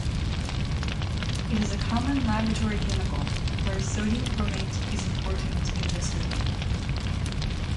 It is a common laboratory chemical, whereas sodium chromate is important industrially.